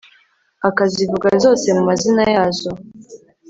akazivuga zose mu mazina yazo